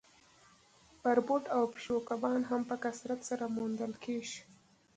بربوټ او پیشو کبان هم په کثرت سره موندل کیږي